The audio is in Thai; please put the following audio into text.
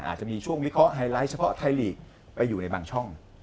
อาจจะมีช่วงวิเคราะห์ไฮไลท์เฉพาะไทยลีกไปอยู่ในบางช่อง